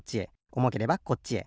おもければこっちへ。